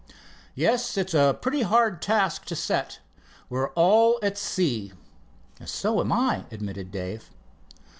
"Yes, it's a pretty hard task to set. We're all at sea." "So am I," admitted Dave.